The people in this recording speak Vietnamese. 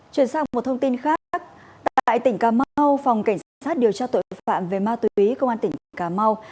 chuyển sang một thông tin khác tại tỉnh cà mau phòng cảnh sát điều tra tội phạm về ma túy công an tỉnh cà mau